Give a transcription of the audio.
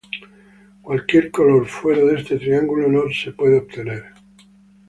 Cualquier color fuera de este triángulo no puede ser obtenido.